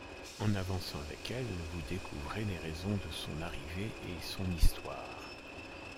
En avançant avec elle vous découvrez les raisons de son arrivée et son histoire.